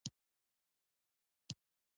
هګۍ د وزن کمېدو لپاره هم کارېږي.